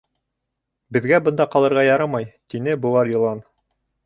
— Беҙгә бында ҡалырға ярамай, — тине быуар йылан.